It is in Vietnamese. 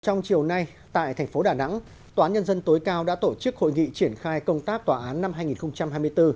trong chiều nay tại thành phố đà nẵng tòa án nhân dân tối cao đã tổ chức hội nghị triển khai công tác tòa án năm hai nghìn hai mươi bốn